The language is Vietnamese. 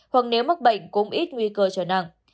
hoặc nếu mắc bệnh cũng ít nguy cơ trở nặng